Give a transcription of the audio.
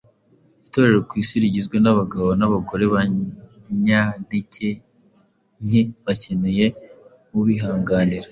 itorero ku isi rigizwe n’abagabo n’abagore b’abanyantege nke bakeneye ubihanganira,